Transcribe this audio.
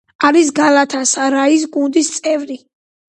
არის გალათასარაის გუნდის წევრი.